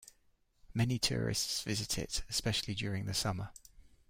Many tourists visit it, especially during the summer.